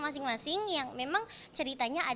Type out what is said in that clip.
yang memiliki ceritanya